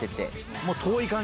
もう、遠い感じ？